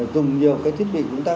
dùng nhiều cái thiết bị chúng ta